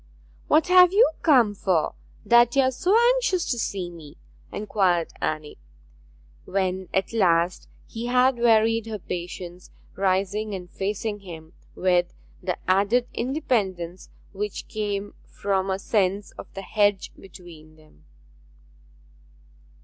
'What have you come for, that you are so anxious to see me?' inquired Anne, when at last he had wearied her patience, rising and facing him with the added independence which came from a sense of the hedge between them.